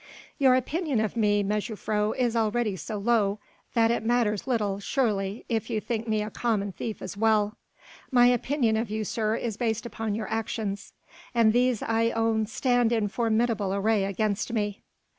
"Your opinion of me, mejuffrouw, is already so low that it matters little surely if you think me a common thief as well." "My opinion of you, sir, is based upon your actions." "And these I own stand in formidable array against me."